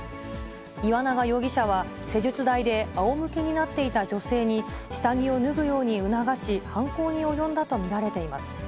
岩永容疑者は、施術台であおむけになっていた女性に下着を脱ぐように促し、犯行に及んだと見られています。